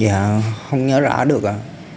dạ không nhớ rõ được ạ